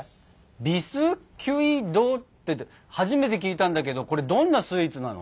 「ビスキュイ・ド」って初めて聞いたんだけどこれどんなスイーツなの？